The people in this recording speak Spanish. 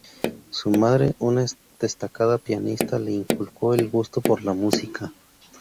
Su madre, una destacada pianista, le inculcó el gusto por la música.